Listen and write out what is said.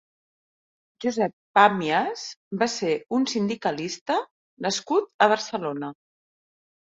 Josep Pàmias va ser un sindicalista nascut a Barcelona.